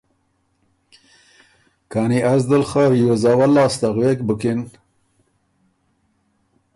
کانی از دل خه ریوز اول لاسته غوېک بُکِن